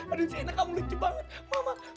aduh shaina kamu lucu banget